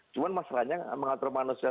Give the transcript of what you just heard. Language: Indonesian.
cuma masalahnya mengatur manusia